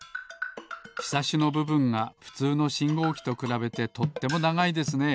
ひさしのぶぶんがふつうのしんごうきとくらべてとってもながいですね。